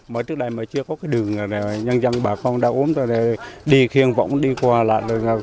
mới trước này mà chưa có cái đường này nhân dân bà con đã ốm rồi đi khiêng võng đi qua lại rồi